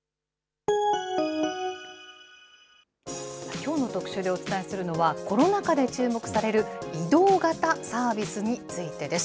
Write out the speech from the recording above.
きょうの特集でお伝えするのは、コロナ禍で注目される移動型サービスについてです。